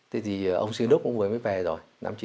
thế thì ông sinh đức cũng mới về rồi